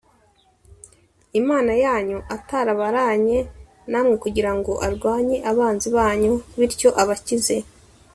Imana yanyu atabaranye namwe kugira ngo arwanye abanzi banyu bityo abakize